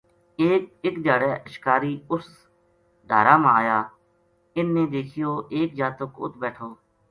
اک دھیاڑے اشکاری اُس ڈھارا ما آیا اِنھ نے دیکھیو ایک جاتک اُ ت بیٹھو